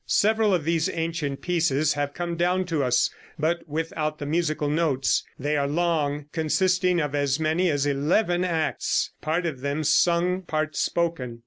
Several of these ancient pieces have come down to us, but without the musical notes. They are long, consisting of as many as eleven acts, part of them sung, part spoken.